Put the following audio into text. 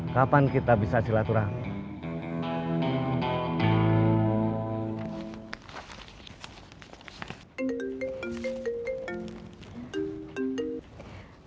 kapan kita bisa silaturahmi